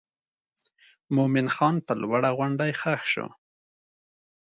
مومن خان پر لوړه غونډۍ ښخ شو.